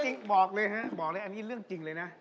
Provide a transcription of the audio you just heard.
จริงบอกเลยฮะอันนี้เรื่องจริงเลยนะ